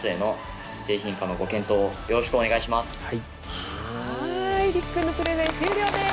はいりくくんのプレゼン終了です。